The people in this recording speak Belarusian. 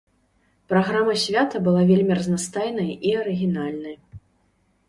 Праграма свята была вельмі разнастайнай і арыгінальнай.